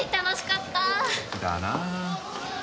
だな。